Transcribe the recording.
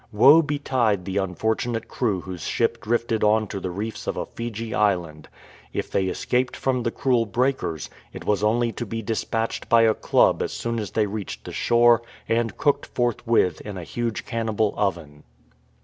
Woe betide the unfortunate crew whose ship drifted on to the reefs of a Fiji island! If they 311 HUMAN SACRIFICES escaped from the cruel breakers, it was only to be dis patched by a club as soon as they reached the shore, and cooked forthwith in a huge cannibal oven.